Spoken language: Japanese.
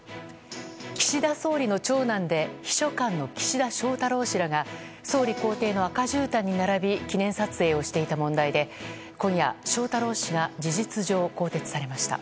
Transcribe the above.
岸田総理の長男で秘書官の翔太郎氏らが総理公邸の赤じゅうたんに並び記念撮影をしていた問題で今夜、翔太郎氏が事実上、更迭されました。